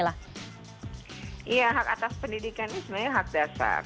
iya hak atas pendidikan ini sebenarnya hak dasar